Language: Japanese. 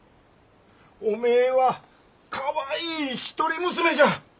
おめえはかわいい一人娘じゃ。